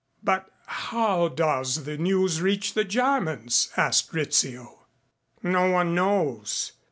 "But how does the news reach the Germans?" asked Rizzio. "No one knows.